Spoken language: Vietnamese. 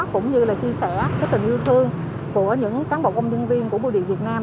cũng như là chia sẻ tình yêu thương của những cán bộ công nhân viên của bưu điện việt nam